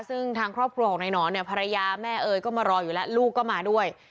ซึ่งทางครอบครัวของนายหนอนเนี่ยภรรยาแม่เอ๋ยก็มารออยู่แล้วลูกก็มาด้วย